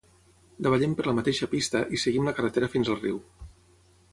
Davallem per la mateixa pista i seguim la carretera fins al riu.